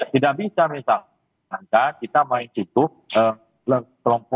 tidak bisa misalnya kita main cukup